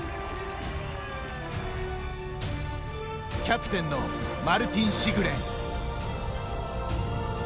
キャプテンのマルティン・シグレン。